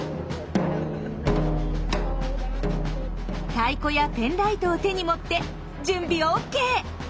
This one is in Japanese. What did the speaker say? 太鼓やペンライトを手に持って準備ＯＫ！